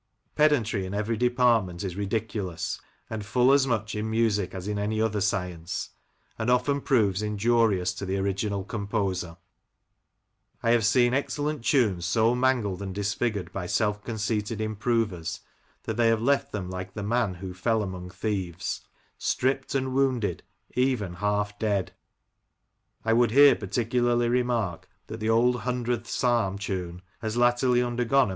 Pedantry in every department is ridiculous, and full as much in music as in any other science, and often proves injurious to the original composer I have seen excellent tunes so mangled and disfigured by self conceited improvers, that they have left them like the man who fell among thieves, stripped and wounded, even half dead, I would here particularly remark that the Old Hundredth Psalm tune has latterly undergone a James Ledch^ the Lancashire Composer.